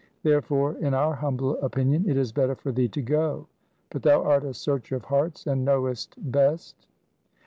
Therefore in our humble opinion it is better for thee to go. But thou art a searcher of hearts, and knowest best.'